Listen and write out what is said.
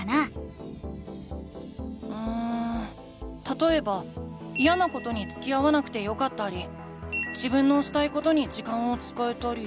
たとえばイヤなことにつきあわなくてよかったり自分のしたいことに時間を使えたり。